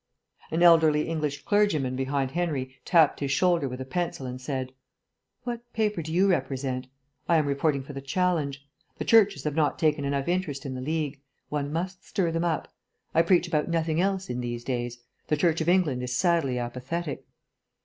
An elderly English clergyman behind Henry tapped his shoulder with a pencil and said, "What paper do you represent? I am reporting for the Challenge. The Churches have not taken enough interest in the League. One must stir them up. I preach about nothing else, in these days. The Church of England is sadly apathetic."